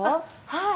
はい。